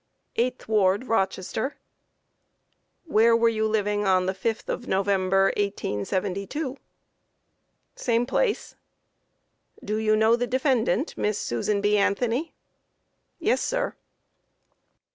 8th ward, Rochester. Q. Where were you living on the 5th of November, 1872? A. Same place. Q. Do you know the defendant, Miss Susan B. Anthony? A. Yes, sir.